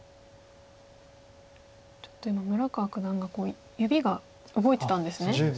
ちょっと今村川九段が指が動いてたんですね。